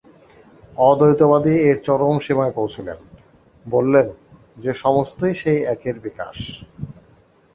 অদ্বৈতবাদী এর চরম সীমায় পৌঁছুলেন, বললেন যে সমস্তই সেই একের বিকাশ।